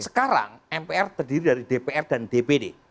sekarang mpr terdiri dari dpr dan dpd